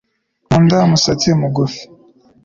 nkunda umusatsi mugufi